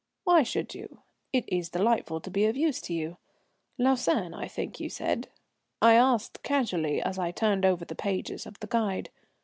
"Why should you? It is delightful to be of use to you. Lausanne I think you said?" I asked casually as I turned over the pages of the guide.